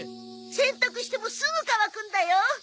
洗濯してもすぐ乾くんだよ。